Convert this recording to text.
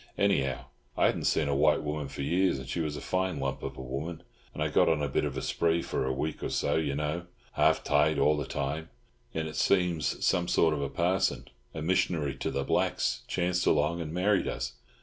Anyhow, I hadn't seen a white woman for years, and she was a fine lump of a woman, and I got on a bit of a spree for a week or so, you know—half tight all the time; and it seems some sort of a parson—a mish'nary to the blacks—chanced along and married us.